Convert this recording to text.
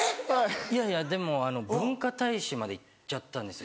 いやいやでも文化大使まで行っちゃったんですよ。